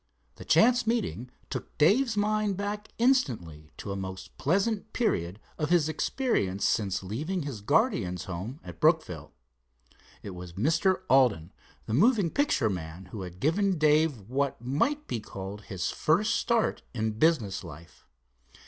The chance meeting took Dave's mind back instantly to a most pleasant period of his experience since leaving his guardian's home at Brookville. It was Mr. Alden, the moving picture man, who had given Dave what might be called his first start in business life.